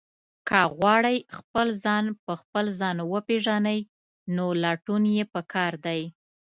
که غواړئ خپل ځان په خپل ځان وپېژنئ، نو لټون یې پکار دی.